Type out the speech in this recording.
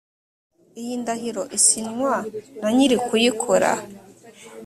iyi ndahiro isinywa na nyir’ukuyikora